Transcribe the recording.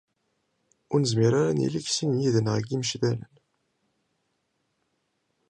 Ur nezmir ara ad nili deg sin yid-neɣ deg Imecdalen.